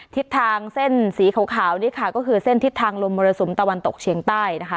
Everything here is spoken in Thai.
ทิศทางเส้นสีขาวนี่ค่ะก็คือเส้นทิศทางลมมรสุมตะวันตกเฉียงใต้นะคะ